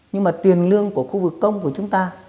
nhưng mà tiền lương của khu vực công của chúng ta